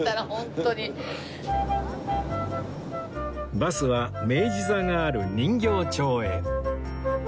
バスは明治座がある人形町へ